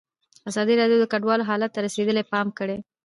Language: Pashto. ازادي راډیو د کډوال حالت ته رسېدلي پام کړی.